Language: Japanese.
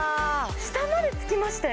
下までつきましたよ